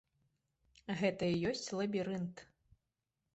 Гэта і ёсць лабірынт.